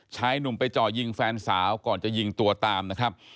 ชายหนุ่มไปจ่อยิงแฟนสาวก่อนจะยิงตัวตามนะครับ